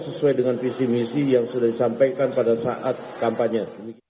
sesuai dengan visi misi yang sudah disampaikan pada saat kampanye